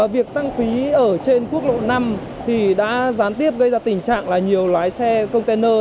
việc tăng phí ở trên quốc lộ năm thì đã gián tiếp gây ra tình trạng là nhiều lái xe container